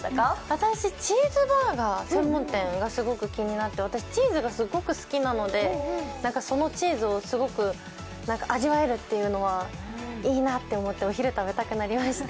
私、チーズバーガー専門店がすごく気になって私、チーズがすっごく好きなので、そのチーズをすごく味わえるというのはいいなって思って、お昼、食べたくなりました。